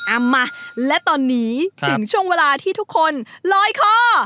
เอามาและตอนนี้ถึงช่วงเวลาที่ทุกคนลอยคอ